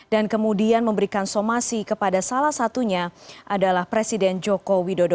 dan kemudian memberikan somasi kepada salah satunya adalah presiden joko widodo